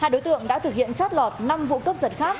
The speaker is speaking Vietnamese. hai đối tượng đã thực hiện trát lọt năm vụ cấp giật khác